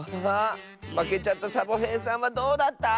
まけちゃったサボへいさんはどうだった？